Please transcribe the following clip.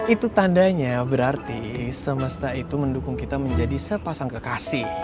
itu tandanya berarti semesta itu mendukung kita menjadi sepasang kekasih